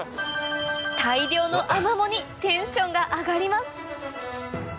大量のアマモにテンションが上がります